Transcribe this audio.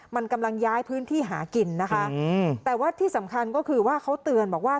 มันกำลังย้ายพื้นที่หากินนะคะแต่ว่าที่สำคัญก็คือว่าเขาเตือนบอกว่า